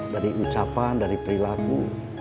dari ucapan dari perilaku